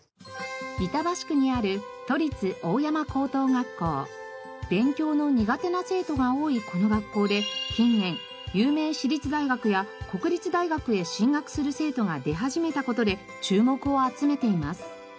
板橋区にある勉強の苦手な生徒が多いこの学校で近年有名私立大学や国立大学へ進学する生徒が出始めた事で注目を集めています。